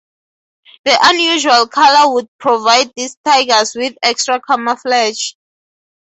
The unusual color would provide these tigers with extra camouflage.